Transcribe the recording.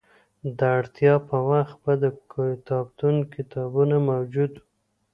د اړتیا په وخت به د کتابتون کتابونه موجود وو.